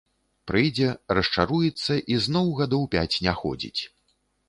Прыйдзе, расчаруецца і зноў гадоў пяць не ходзіць.